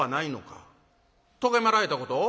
「とがめられたこと？